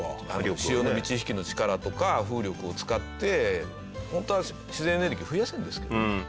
潮の満ち引きの力とか風力を使って本当は自然エネルギー増やせるんですけどね。